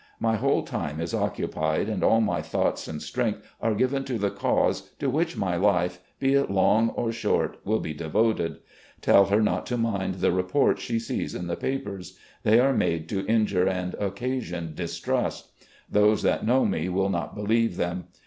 My whole time is occupied, and all my thoughts and strength are given to the cause to which my life, be it long or short, will be devoted. Tell her not to mind the reports she sees in the papers. They are made to injure and occasion distrust. Those that know me will not believe them.